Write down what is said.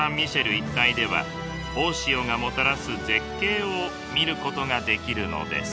一帯では大潮がもたらす絶景を見ることができるのです。